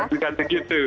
masih kan begitu